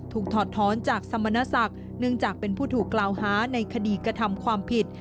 ถูกถอดท้อนจากสรรพ์มนธสักษ์เนื่องจากเป็นผู้ถูกกล่าวฮาในคดีกธรรมความผิด